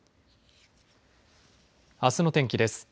あすの天気です。